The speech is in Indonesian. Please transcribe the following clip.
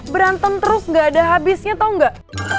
berantem terus gak ada habisnya tau gak